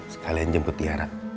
sekalian jemput tiara